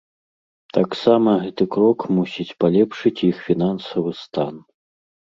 Таксама гэты крок мусіць палепшыць іх фінансавы стан.